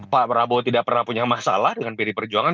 pak prabowo tidak pernah punya masalah dengan pd perjuangan